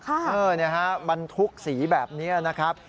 ก็คือจะยอมบรรทุกษีแบบนี้นะครับ